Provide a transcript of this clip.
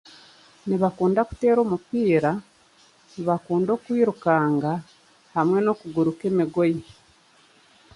Nibakunda kuteera omupiira, nibakunda okwirukanga, hamwe n'okuguruka emigoye.